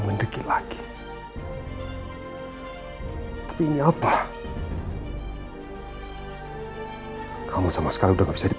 selalu aja kamu bohong